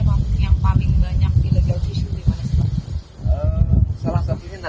apakah yang paling banyak illegal tissue di mana sebabnya